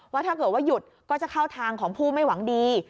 ว่าถ้าเกิดว่าหยุดก็จะเข้าทางของผู้ไม่หวังดี